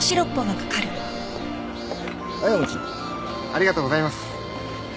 ありがとうございます。